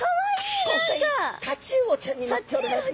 今回タチウオちゃんになっておりますね！